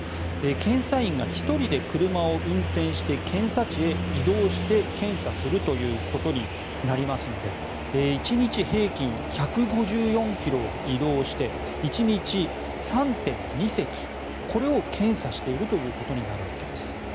検査員が１人で車を運転して検査地へ移動して検査するということになりますので１日平均１５４ｋｍを移動して１日３．２隻これを検査しているということになるわけなんです。